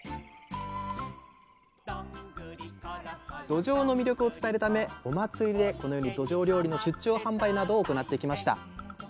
どじょうの魅力を伝えるためお祭りでこのようにどじょう料理の出張販売などを行ってきました。